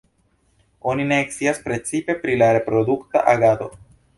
Oni ne scias precize pri la reprodukta agado.